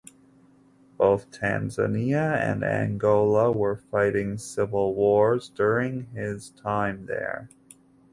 Both Tanzania and Angola were fighting civil wars during his time there.